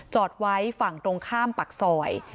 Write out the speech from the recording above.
จอดไว้ฝั่งตรงข้ามปากซอย